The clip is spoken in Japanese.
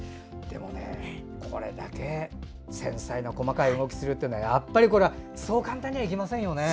これだけ繊細な細かい動きをするというのはやっぱりそう簡単にはいきませんよね。